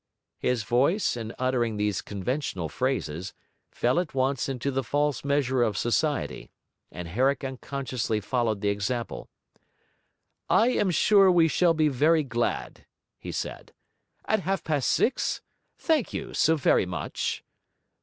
His voice, in uttering these conventional phrases, fell at once into the false measure of society; and Herrick unconsciously followed the example. 'I am sure we shall be very glad,' he said. 'At half past six? Thank you so very much.'